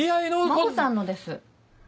真帆さんのです。